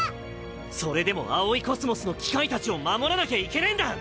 それでも葵宇宙の機械たちを守らなきゃいけねえんだ！